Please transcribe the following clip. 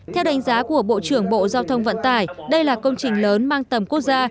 theo đánh giá của bộ trưởng bộ giao thông vận tải đây là công trình lớn mang tầm quốc gia